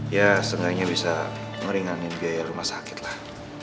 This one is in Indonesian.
ya setidaknya bisa ngeringanin biaya rumah sakit lah